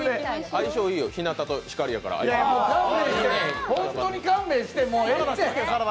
相性いいよ、日向と光やから。